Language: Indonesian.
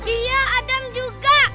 iya adam juga